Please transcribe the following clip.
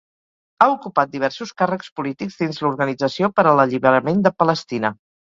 Ha ocupat diversos càrrecs polítics dins l'Organització per a l'Alliberament de Palestina.